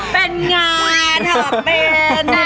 เป็นงานหรอเป็น